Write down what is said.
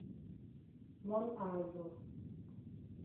Mon azo.